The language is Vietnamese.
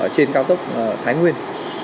trên cao tốc thái nguyên